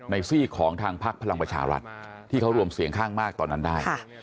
ซี่ของทางพักพลังประชารัฐที่เขารวมเสียงข้างมากตอนนั้นได้